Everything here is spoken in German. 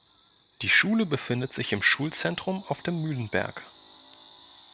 Die Schule befindet sich im Schulzentrum auf dem Mühlenberg.